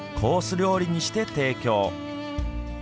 料理にして提供。